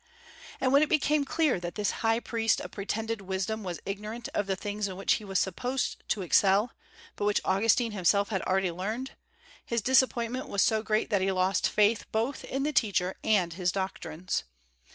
And when it became clear that this high priest of pretended wisdom was ignorant of the things in which he was supposed to excel, but which Augustine himself had already learned, his disappointment was so great that he lost faith both in the teacher and his doctrines.